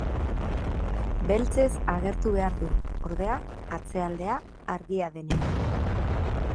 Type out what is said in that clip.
Beltzez agertu behar du, ordea, atzealdea argia denean.